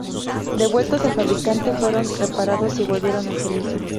Devueltos al fabricante, fueron reparados y volvieron al servicio.